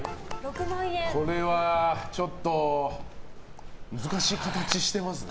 これはちょっと難しい形していますね。